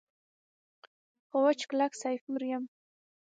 خو وچ کلک سیفور یم.